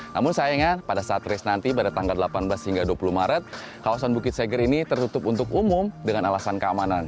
namun sayangnya pada saat race nanti pada tanggal delapan belas hingga dua puluh maret kawasan bukit seger ini tertutup untuk umum dengan alasan keamanan